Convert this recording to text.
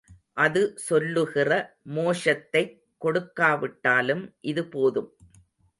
அது சொல்லுகிற மோஷத்தைக் கொடுக்காவிட்டாலும் இது போதும்.